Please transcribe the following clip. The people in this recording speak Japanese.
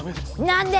何で！